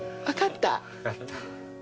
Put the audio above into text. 分かった？